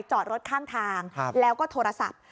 จอดรถข้างทางแล้วก็โทรศัพท์